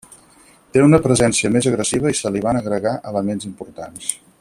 Té una presència més agressiva i se li van agregar elements importants.